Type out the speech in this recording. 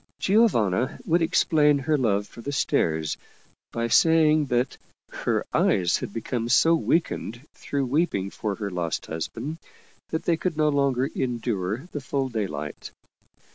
Giovanna would explain her love for the stairs by saying that her eyes had become so weakened through weeping for her lost husband that they could no longer endure the full day light.